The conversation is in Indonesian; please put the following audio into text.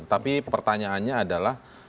tapi pertanyaannya adalah